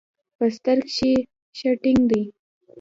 په ستر کښې ښه ټينګ دي.